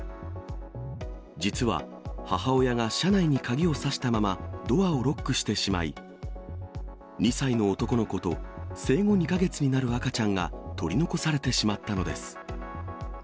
実は、母親が車内に鍵をさしたまま、ドアをロックしてしまい、２歳の男の子と、生後２か月になる赤ちゃんが取り残されてしまったのです。